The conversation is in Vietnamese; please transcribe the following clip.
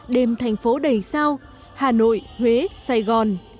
đêm thành phố đầy sao hà nội huế sài gòn